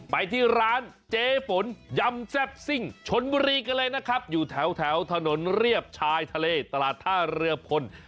ไปที่ร้านเจฝนยำแซ่บซิ่งชนบุรีกันเลยนะครับอยู่แถวถนนเรียบชายทะเลตลาดท่าเรือพล